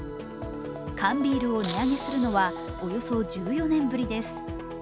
缶ビールを値上げするのはおよそ１４年ぶりです。